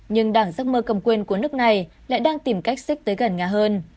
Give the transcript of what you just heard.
nhưng đảng giấc mơ cầm quyền của nước này lại đang tìm cách xích tới gần nhà hơn